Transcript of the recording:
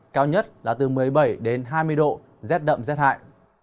cao nhất là từ một mươi bảy đến hai mươi độ rét đậm rét hại